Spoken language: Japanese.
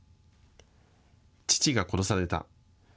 父が殺された。